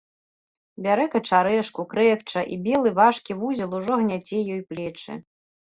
Бярэ качарэжку, крэкча, і белы важкі вузел ужо гняце ёй плечы.